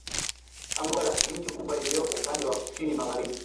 Angola ni nchi kubwa iliyopo upande wa kusini magharibi